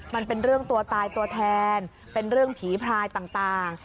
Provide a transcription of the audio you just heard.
มันเป็นเรื่องตัวตายตัวแทนเป็นเรื่องผีพรายต่าง